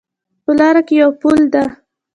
په لاره کې یو پل ده